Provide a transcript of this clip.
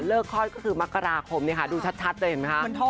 คลอดก็คือมกราคมดูชัดเลยเห็นไหมคะ